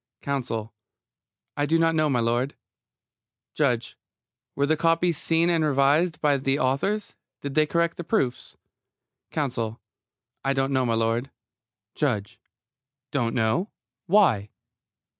COUNSEL: I do not know, m'lud. JUDGE: Were the copies seen and revised by the authors? Did they correct the proofs? COUNSEL: I don't know, m'lud. JUDGE: Don't know? Why?